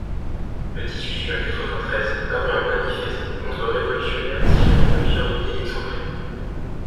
Le dix-huit juin quatre-vingt-treize, parut un manifeste contre-révolutionnaire tiré à plusieurs milliers d'exemplaires.